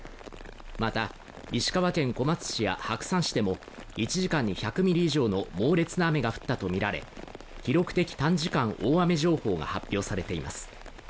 また石川県小松市や白山市でも１時間に１００ミリ以上の猛烈な雨が降ったと見られ記録的短時間大雨情報が発表されています